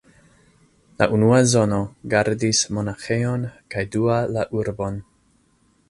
La unua zono gardis monaĥejon kaj dua la urbon.